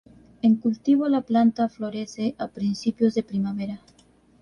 En cultivo la planta florece a principios de primavera.